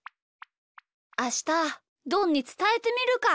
あしたどんにつたえてみるか。